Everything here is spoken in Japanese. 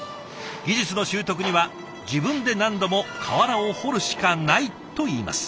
技術の習得には自分で何度も瓦を彫るしかないといいます。